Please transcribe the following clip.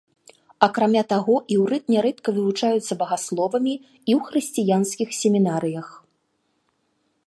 Акрамя таго, іўрыт нярэдка вывучаецца багасловамі і ў хрысціянскіх семінарыях.